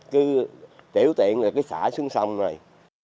cứ tiểu tiện là cái xã xuống sông rồi